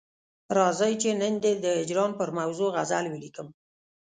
راځه چې نن دي د هجران پر موضوع غزل ولیکم.